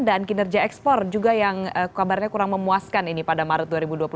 dan kinerja ekspor juga yang kabarnya kurang memuaskan ini pada maret dua ribu dua puluh tiga